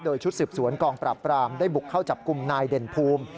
โดยชุดสืบสวนกองปราบปรามได้บุกเข้าจับกลุ่มนายเด่นภูมิ